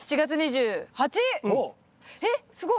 えっすごい。